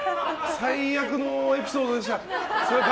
最悪のエピソードでした。